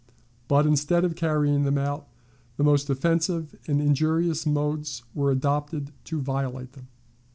But, instead of carrying them out, the most offensive and injurious modes were adopted to violate them."